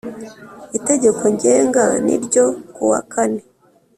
Itegeko ngenga n ryo ku wa kane